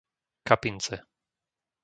Kapince